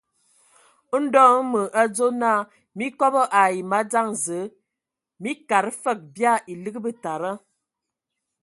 Ndɔ hm me adzo naa mii kobo ai madzaŋ Zǝə, mii kad fǝg bia elig betada.